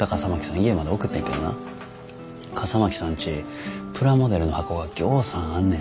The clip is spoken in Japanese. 家まで送ってんけどな笠巻さんちプラモデルの箱がぎょうさんあんねん。